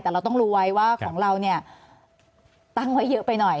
แต่เราต้องรู้ไว้ว่าของเราเนี่ยตั้งไว้เยอะไปหน่อย